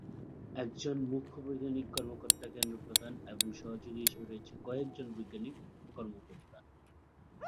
একজন মুখ্য বৈজ্ঞানিক কর্মকর্তা কেন্দ্র প্রধান এবং সহযোগী হিসেবে রয়েছেন কয়েক জন বৈজ্ঞানিক কর্মকর্তা।